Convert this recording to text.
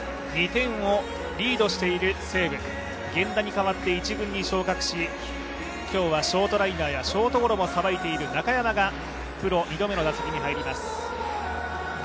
２点をリードしている西武、源田に代わって１軍に昇格し今日はショートライナーやショートゴロもさばいている中山がプロ２度目の打席に入ります。